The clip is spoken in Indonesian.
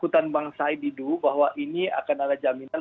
dan bang said widuta bahwa ini akan ada jaminan